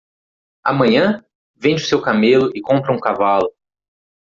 Amanhã? vende o seu camelo e compra um cavalo.